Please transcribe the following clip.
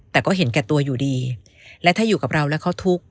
แต่ก็เห็นแก่ตัวอยู่ดีและถ้าอยู่กับเราแล้วเขาทุกข์